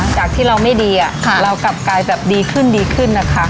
จากที่เราไม่ดีเรากลับกลายแบบดีขึ้นดีขึ้นนะคะ